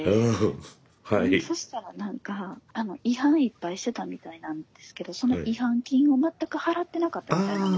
そしたら何か違反いっぱいしてたみたいなんですけどその違反金を全く払ってなかったみたいなんです。